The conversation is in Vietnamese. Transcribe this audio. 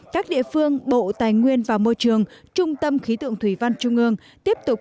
các địa phương bộ tài nguyên và môi trường trung tâm khí tượng thủy văn trung ương tiếp tục